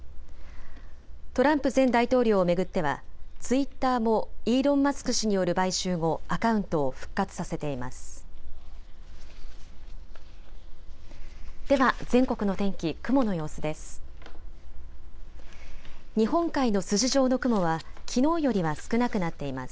トランプ前大統領を巡ってはツイッターもイーロン・マスク氏による買収後アカウントを復活させています。